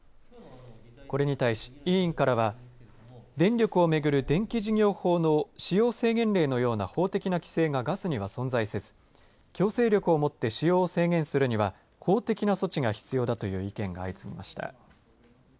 これに対し委員からは電力を巡る電気事業法の使用制限令のような法的な規制がガスには存在せず強制力をもって使用制限するには法的な措置が必要だという意見が相次ぎました。